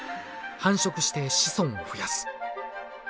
繁殖して子孫を増やす。